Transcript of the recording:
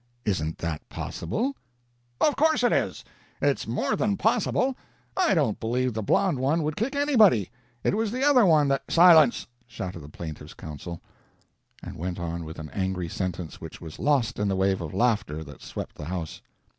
Isn't that possible?" "Of course it is. It's more than possible. I don't believe the blond one would kick anybody. It was the other one that " "Silence!" shouted the plaintiff's counsel, and went on with an angry sentence which was lost in the wave of laughter that swept the house.